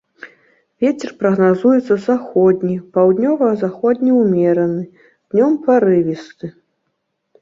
Вецер прагназуецца заходні, паўднёва-заходні ўмераны, днём парывісты.